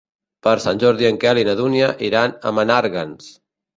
Per Sant Jordi en Quel i na Dúnia iran a Menàrguens.